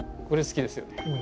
これ好きですよね？